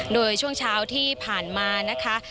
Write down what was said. โดยช่วงเช้าที่ผ่านมานะคะ